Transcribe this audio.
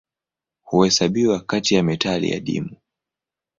Huhesabiwa kati ya metali adimu.